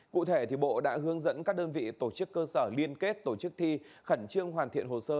cụ thể bộ đã hướng dẫn các đơn vị tổ chức cơ sở liên kết tổ chức thi khẩn trương hoàn thiện hồ sơ